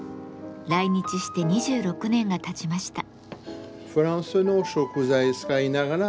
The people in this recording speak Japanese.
来日して２６年がたちました。